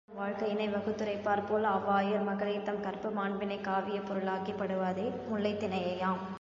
ஆயர்கள் தம் வாழ்க்கையினை வகுத்துரைப்பார்போல், அவ்வாயர் மகளிர் தம் கற்பு மாண்பினைக் காவியப் பொருளாக்கிப் பாடுவதே முல்லைத் திணையாம்.